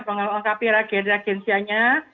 melengkapi rakyat dan agensianya